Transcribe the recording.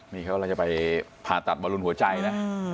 นี่เขาจะไปผ่าตัดบรรลุนหัวใจนะ